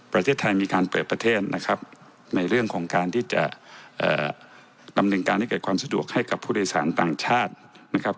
ประเทศไทยมีการเปิดประเทศนะครับในเรื่องของการที่จะดำเนินการให้เกิดความสะดวกให้กับผู้โดยสารต่างชาตินะครับ